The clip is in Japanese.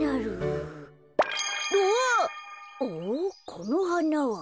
このはなは。